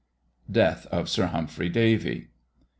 DEATH OF SIR HUMPHRY DAVY.